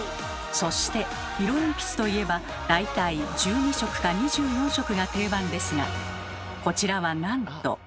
そして色鉛筆といえば大体１２色か２４色が定番ですがこちらはなんと。